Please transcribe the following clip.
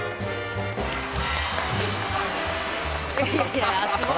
いやすごい。